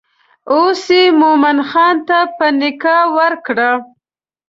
اوس یې مومن خان ته په نکاح ورکړه.